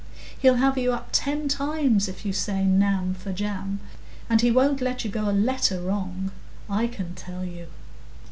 He'll have you up ten times if you say 'nam' for 'jam,'—he won't let you go a letter wrong, I can tell you."